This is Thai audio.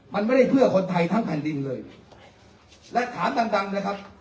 มันไม่ได้เพื่อคนไทยทั้งแผ่นดินเลยและถามดังดังนะครับ